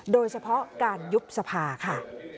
โดยเฉพาะการยุบสภาค่ะ